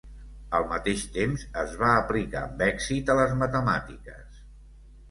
Al mateix temps, es va aplicar amb èxit a les matemàtiques.